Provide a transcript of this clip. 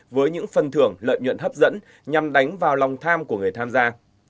với những phần thưởng lợi nhuận hấp dẫn nhằm đánh vào lòng tham của người tham gia